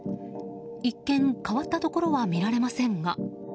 一見、変わったところは見られませんが。